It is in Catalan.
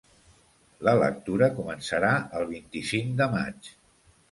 La lectura començarà el vint-i-cinc de maig.